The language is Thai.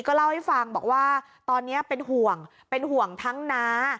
ก็เล่าให้ฟังบอกว่าตอนนี้เป็นห่วงเป็นห่วงทั้งน้า